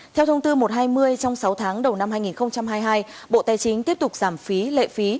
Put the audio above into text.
theo thông tư một trăm hai mươi trong sáu tháng đầu năm hai nghìn hai mươi hai bộ tài chính tiếp tục giảm phí lệ phí